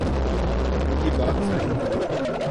ان کی بات سچ نکلی۔